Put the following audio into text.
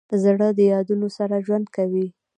زړه د یادونو سره ژوند کوي.